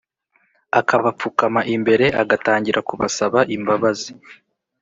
akabapfukama imbere agatangira kubasaba imbabazi